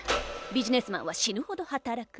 ビジネスマンは死ぬほど働く。